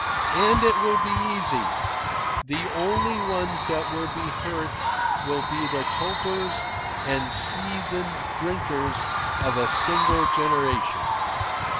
And it will be easy. The only ones that will be hurt will be the topers and seasoned drinkers of a single generation.